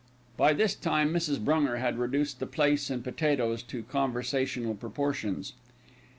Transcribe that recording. By this time Mrs. Brunger had reduced the plaice and potatoes to conversational proportions.